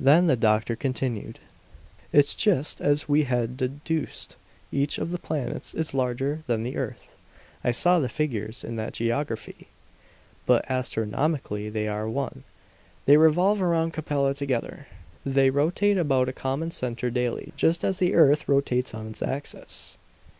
Then the doctor continued: "It's just as we had deduced; each of the planets is larger than the earth. I saw the figures in that geography. "But astronomically they are one. They revolve around Capella together; the rotate about a common center daily, just as the earth rotates on its axis.